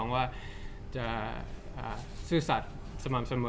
ว่าจะซื่อสัตว์สม่ำเสมอ